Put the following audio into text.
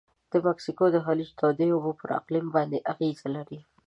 د مکسیکو د خلیج تودې اوبه پر اقلیم باندې اغیزه لري.